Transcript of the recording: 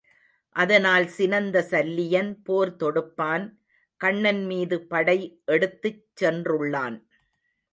அதனால் சினந்த சல்லியன் போர் தொடுப்பான், கண்ணன் மீது படை எடுத்துச் சென்றுள்ளான்.